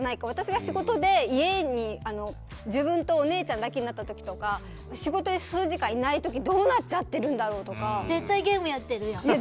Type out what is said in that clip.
私が仕事で家にいなくて自分とお姉ちゃんだけになった時とか仕事で数時間いない時どうなっちゃってるんだろうとか。